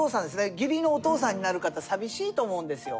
義理のお父さんになる方寂しいと思うんですよ。